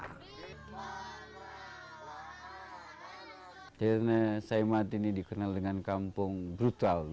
kampung seimati ini dikenal sebagai kampung brutal